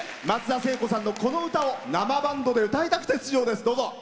松田聖子さんの、この歌を生バンドで歌いたくて出場です。